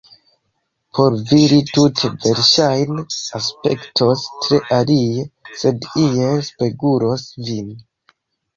Por vi li tute verŝajne aspektos tre alie, sed iel spegulos vin.